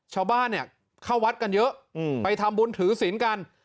ชาวบ้านเข้าวัดกันเยอะไปทำบุญถือศีลกัน